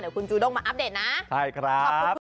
เดี๋ยวคุณจูด้งมาอัพเดทนะใช่ครับ